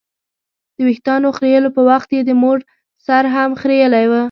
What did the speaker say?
د ویښتانو خریلو په وخت یې د مور سر هم خرېیلی و.